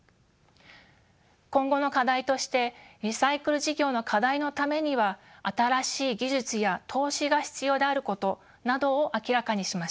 今後の課題としてリサイクル事業の拡大のためには新しい技術や投資が必要であることなどを明らかにしました。